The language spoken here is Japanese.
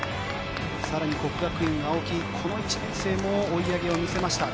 更に國學院、青木この１年生も追い上げを見せました。